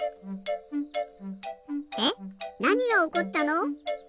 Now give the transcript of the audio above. なにがおこったの？